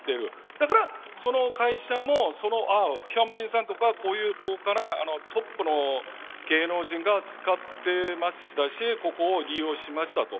だから、その会社もヒョンビンさんとかこういう豪華なトップの芸能人が使ってましたしここを利用しましたと。